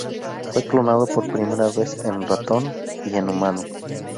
Fue clonado por primera vez en ratón y en humano.